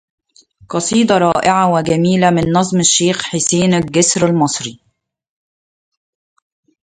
قصيدة رائعة وجميلة من نظم الشيخ حسين الجسر المصري